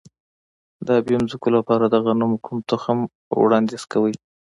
د ابي ځمکو لپاره د غنمو کوم تخم وړاندیز کوئ؟